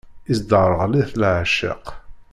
Isderɣel-it leεceq.